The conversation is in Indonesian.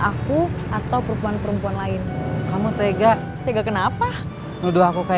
atau mungkin mau bekerja di rumah